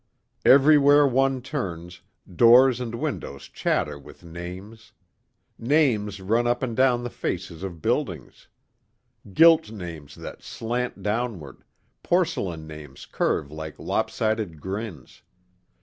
Everywhere one turns, doors and windows chatter with names. Names run up and down the faces of buildings. Gilt names slant downward, porcelain names curve like lopsided grins.